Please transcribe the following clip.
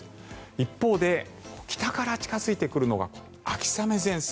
一方で北から近付いてくるのが秋雨前線。